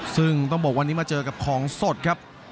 ซึ่งต้องบอกวันนี้มาเจอกับของสดครับ